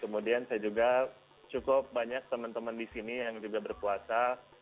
kemudian saya juga cukup banyak teman teman di sini yang juga berpuasa